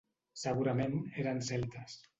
Segurament eren celtes.